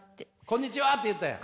「こんにちは」って言ったんや。